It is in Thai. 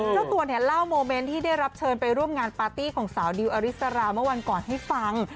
เจ้าตัวเนี่ยเล่าโมเมนต์ที่ได้รับเชิญไปร่วมงานปาร์ตี้ของสาวดิวอริสราเมื่อวันก่อนให้ฟัง